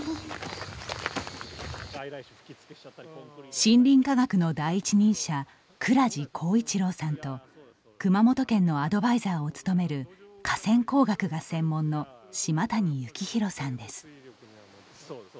森林科学の第一人者蔵治光一郎さんと熊本県のアドバイザーを務める河川工学が専門の島谷幸宏さんです。